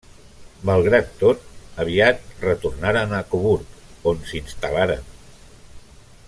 Malgrat tot, aviat retornaren a Coburg on s'instal·laren.